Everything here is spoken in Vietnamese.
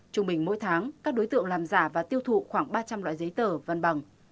trung bình mỗi tháng các đối tượng làm giả và tiêu thụ khoảng ba trăm linh loại giấy tờ văn bằng